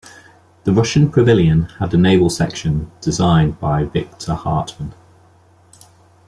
The Russian pavilion had a naval section designed by Viktor Hartmann.